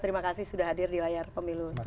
terima kasih sudah hadir di layar pemilu